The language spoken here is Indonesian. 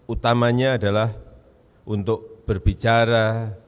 utamanya adalah untuk berbicara